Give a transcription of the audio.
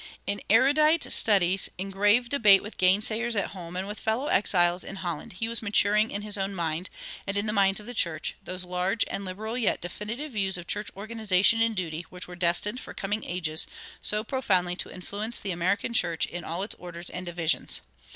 In erudite studies, in grave debate with gainsayers at home and with fellow exiles in Holland, he was maturing in his own mind, and in the minds of the church, those large and liberal yet definite views of church organization and duty which were destined for coming ages so profoundly to influence the American church in all its orders and divisions.